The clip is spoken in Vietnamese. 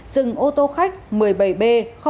dừng ô tô khách một mươi bảy b hai nghìn hai trăm năm mươi hai